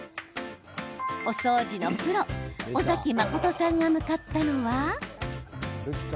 お掃除のプロ、尾崎真さんが向かったのは。